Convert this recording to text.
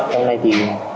hôm nay thì